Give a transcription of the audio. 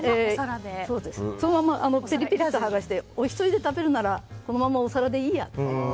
そのままふたを剥がしてお一人で食べるならこのままのお皿でいいやと。